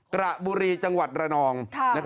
กระบุรีจังหวัดระนอง